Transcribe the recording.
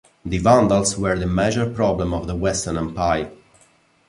The Vandals were the major problem of the Western Empire.